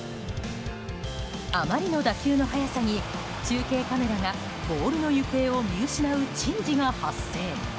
あまりの打球の速さに中継カメラがボールの行方を見失う珍事が発生。